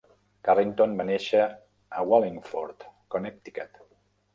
Carrington va néixer a Wallingford, Connecticut.